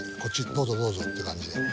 どうぞどうぞっていう感じで。